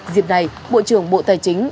dịp này bộ trưởng bộ tài chính